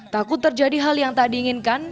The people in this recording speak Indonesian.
takut terjadi hal yang tak diinginkan